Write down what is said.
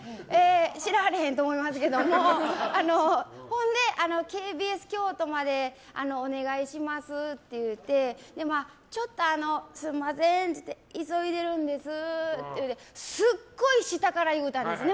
知らはらへんと思うんですけどＫＢＳ京都までお願いしますって言ってちょっと、すんません急いでるんです言うてすっごい下から言うたんですね。